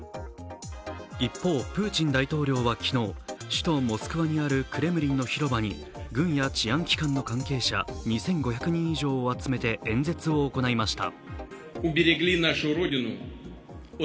一方、プーチン大統領は昨日、首都モスクワにあるクレムリンのひろばに軍や治安機関の関係者２５００人以上を集めて演説を行いました。